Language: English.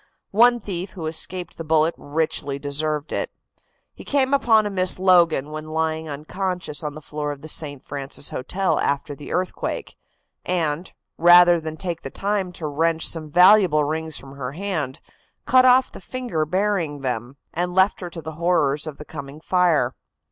One thief who escaped the bullet richly deserved it. He came upon a Miss Logan when lying unconscious on the floor of the St. Francis Hotel after the earthquake, and, rather than take the time to wrench some valuable rings from her hand, cut off the finger bearing them, and left her to the horrors of the coming fire.